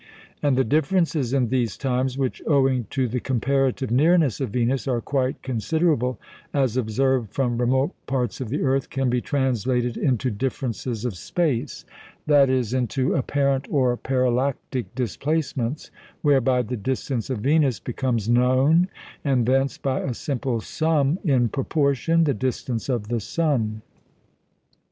And the differences in these times (which, owing to the comparative nearness of Venus, are quite considerable), as observed from remote parts of the earth, can be translated into differences of space that is, into apparent or parallactic displacements, whereby the distance of Venus becomes known, and thence, by a simple sum in proportion, the distance of the sun.